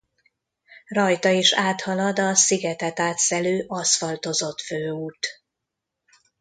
Rajta is áthalad a szigetet átszelő aszfaltozott főút.